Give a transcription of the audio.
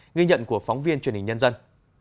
nghi nhận của phóng viên truyền hình nhân dân